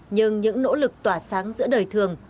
nhưng những nỗ lực tỏa sáng giữa đời thường